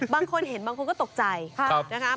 บางคนเห็นบางคนก็ตกใจนะคะ